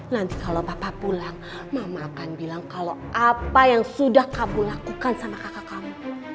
nanti kalau bapak pulang mama akan bilang kalau apa yang sudah kamu lakukan sama kakak kamu